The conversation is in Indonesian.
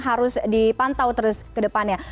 harus dipantau terus ke depannya